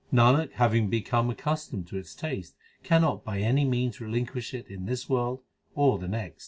Nanak having become accustomed to its taste Cannot by any means relinquish it in this world or the next.